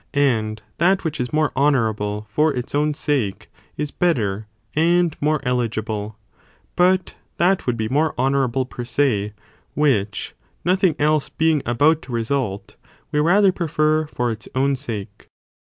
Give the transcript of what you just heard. And that which is more honourable for its own sake is better and more eligible, but that would be more honourable per se, which, no thing else being about to result, we rather prefer for its own sake.